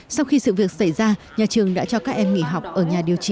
sau khi sự việc xảy ra nhà trường đã cho các em nghỉ học ở nhà điều trị